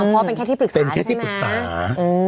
เพราะเป็นแค่ที่ปรึกษาใช่ไหม